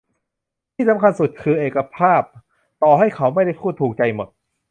ที่สำคัญสุดคือ "เอกภาพ" ต่อให้เขาไม่ได้พูดถูกใจหมด